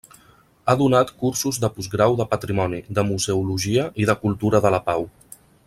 Ha donat cursos de postgrau de patrimoni, de museologia i de cultura de la pau.